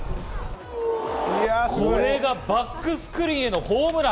これがバックスクリーンへのホームラン。